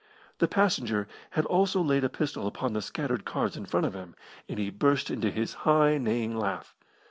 The passenger had also laid a pistol upon the scattered cards in front of him, and he burst into his high, neighing laugh.